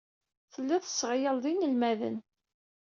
Telliḍ tesseɣyaleḍ inelmaden.